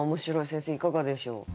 先生いかがでしょう？